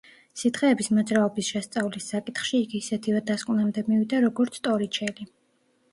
სითხეების მოძრაობის შესწავლის საკითხში იგი ისეთივე დასკვნამდე მივიდა, როგორც ტორიჩელი.